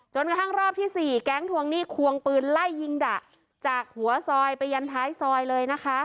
กระทั่งรอบที่๔แก๊งทวงหนี้ควงปืนไล่ยิงดะจากหัวซอยไปยันท้ายซอยเลยนะคะ